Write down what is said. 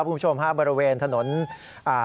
พระบุว่าจะมารับคนให้เดินทางเข้าไปในวัดพระธรรมกาลนะคะ